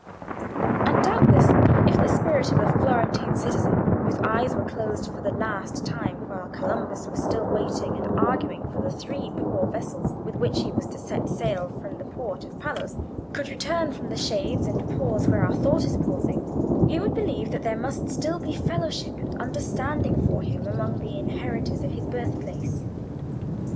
And doubtless, if the spirit of a Florentine citizen, whose eyes were closed for the last time while Columbus was still waiting and arguing for the three poor vessels with which he was to set sail from the port of Palos, could return from the shades and pause where our thought is pausing, he would believe that there must still be fellowship and understanding for him among the inheritors of his birthplace.